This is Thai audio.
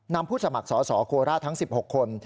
ผู้สมัครสอสอโคราชทั้ง๑๖คน